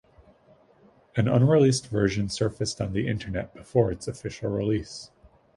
An unreleased version surfaced on the Internet before its official release.